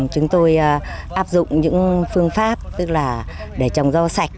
chúng tôi áp dụng những phương pháp tức là để trồng rau sạch